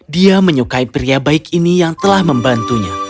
dia menyukai pria baik ini yang telah membantunya